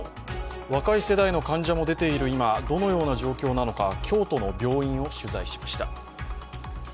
若い世代の患者も出ている今、どのような状況なのか京都の病院を取材しました。